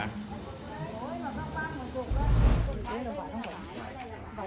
không còn mơ